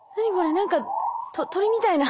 何か鳥みたいな。